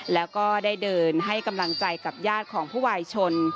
แล้วก็ได้เดินให้กำลังใจกับญาติของผู้วายชน